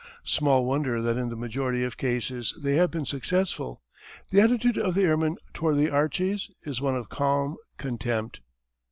Small wonder that in the majority of cases they have been successful. The attitude of the airmen toward the "Archies" is one of calm contempt.